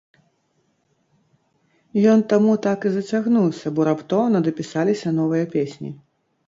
Ён таму так і зацягнуўся, бо раптоўна дапісаліся новыя песні.